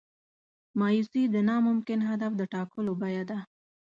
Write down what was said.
مایوسي د ناممکن هدف د ټاکلو بیه ده.